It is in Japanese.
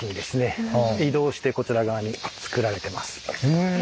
へえ。